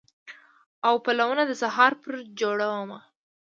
او پلونه د سهار پر جوړمه